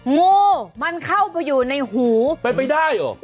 งูมันเข้าไปอยู่ในหูเป็นไปได้หรอ